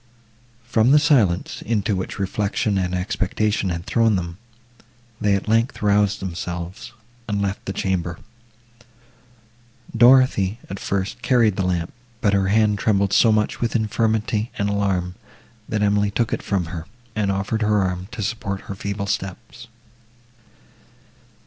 From the silence, into which reflection and expectation had thrown them, they, at length, roused themselves, and left the chamber. Dorothée, at first, carried the lamp, but her hand trembled so much with infirmity and alarm, that Emily took it from her, and offered her arm, to support her feeble steps.